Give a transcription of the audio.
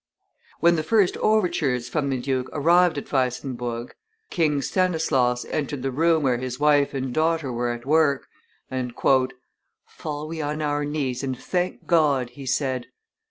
When the first overtures from the duke arrived at Weissenburg, King Stanislaus entered the room where his wife and daughter were at work, and, "Fall we on our knees, and thank God!" he said.